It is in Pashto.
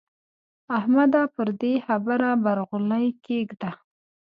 احمده پر دې خبره برغولی کېږده.